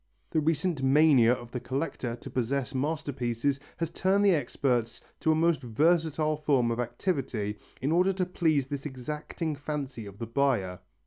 The recent mania of the collector to possess masterpieces has turned the expert to a most versatile form of activity in order to please this exacting fancy of the buyer.